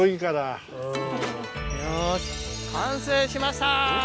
よし完成しました。